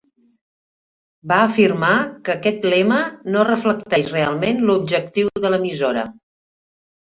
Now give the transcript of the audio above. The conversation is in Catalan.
Va afirmar que aquest lema no reflecteix realment l'objectiu de l'emissora.